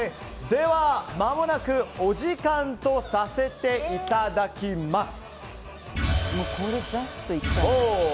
では、まもなくお時間とさせていただきます。